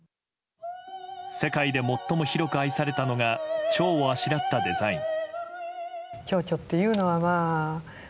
世界で最も広く愛されたのがチョウをあしらったデザイン。